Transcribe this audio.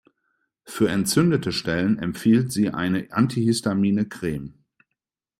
Für entzündete Stellen empfiehlt sie eine antihistamine Creme.